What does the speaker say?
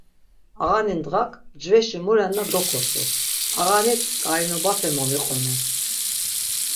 Ağani ndğak; mcveşi mu renna dokosu, ağani k̆ainobape momiqonu.